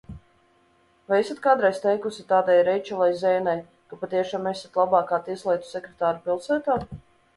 Vai esat kādreiz teikusi tādai Reičelai Zeinai, ka patiešām esat labākā tieslietu sekretāre pilsētā?